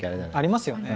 ありますよね。